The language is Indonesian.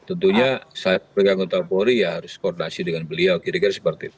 tentunya saya pegang kontrol kapolri ya harus koordinasi dengan beliau kira kira seperti itu